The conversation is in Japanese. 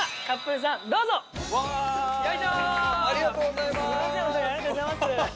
お二人ありがとうございます。